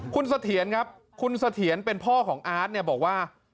คุณเสถียรครับคุณเสถียรเป็นพ่อของอาร์ตเนี่ยบอกว่า